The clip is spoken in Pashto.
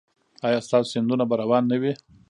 ایا ستاسو سیندونه به روان نه وي؟